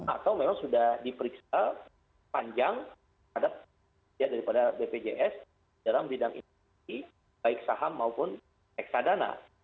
atau memang sudah diperiksa panjang daripada bpjs dalam bidang industri baik saham maupun reksadana